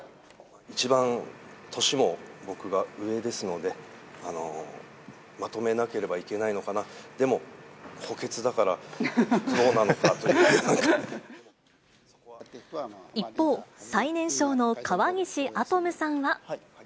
一番年も僕が上ですので、まとめなければいけないのかな、でも、一方、最年少の川岸明富さんは。